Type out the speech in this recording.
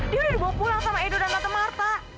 dia udah dibawa pulang sama edo dan marta marta